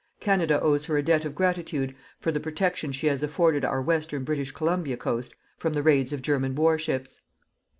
Canada owes her a debt of gratitude for the protection she has afforded our western British Columbia coast from the raids of German war ships.